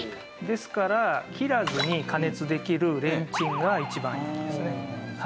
ですから切らずに加熱できるレンチンが一番いいんですね。